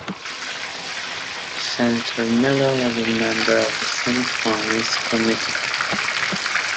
Senator Miller was a member of the Senate Finance Committee.